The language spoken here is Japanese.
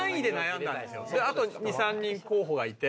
あと２３人候補がいて。